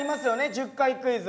１０回クイズ。